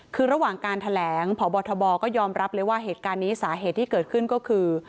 คือระหว่างการแถลงพบทบก็ยอมรับเลยว่าเหตุการณ์นี้สาเหตุที่เกิดขึ้นก็คือ